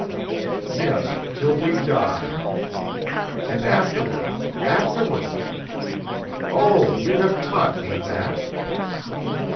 Yes, till we die. And afterwards afterwards! Oh, you have taught me that!"